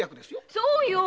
そうよ。